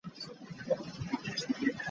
Mpulira embeera embi entamye.